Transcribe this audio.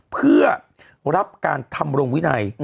เพื่อรับการทำรงวินัย